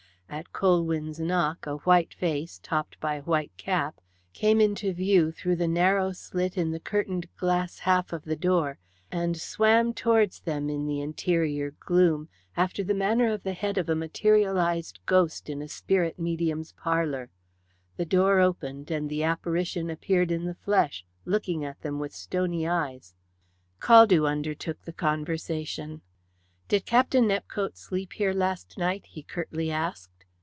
At Colwyn's knock a white face, topped by a white cap, came into view through the narrow slit in the curtained glass half of the door, and swam towards them in the interior gloom after the manner of the head of a materialized ghost in a spirit medium's parlour. The door opened, and the apparition appeared in the flesh, looking at them with stony eyes. Caldew undertook the conversation: "Did Captain Nepcote sleep here last night?" he curtly asked.